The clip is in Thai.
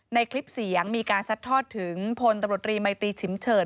ในคลิปเสียงมีการซัดทอดถึงพลตำรวจรีมัยตีฉิมเฉิด